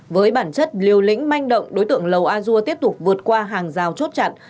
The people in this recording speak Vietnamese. với bản chất liều lĩnh manh động đối tượng lầu a dua tiếp tục vượt qua hàng rào chốt chặn